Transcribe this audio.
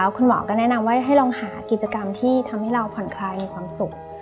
คุณหมอก็แนะนำว่าให้ลองหากิจกรรมที่ทำให้เราผ่อนคลายมีความสุข